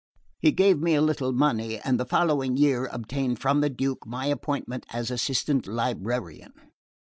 He gave me a little money and the following year obtained from the Duke my appointment as assistant librarian.